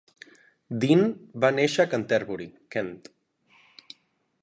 Dean va néixer a Canterbury, Kent.